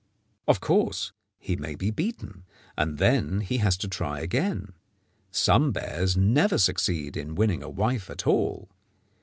Of course he may be beaten, and then he has to try again. Some bears never succeed in winning a wife at all.